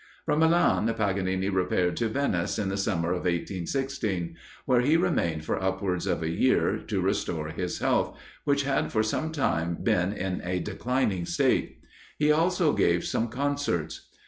From Milan, Paganini repaired to Venice, in the summer of 1816, where he remained for upwards of a year, to restore his health, which had for some time been in a declining state; he also gave some concerts.